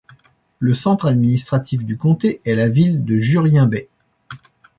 Le centre administratif du comté est la ville de Jurien Bay.